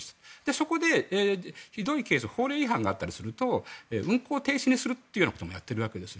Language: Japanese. そこでひどいケース法令違反があったりすると運行停止にするということもやっているわけです。